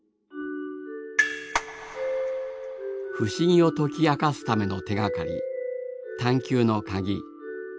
不思議を解き明かすための手がかり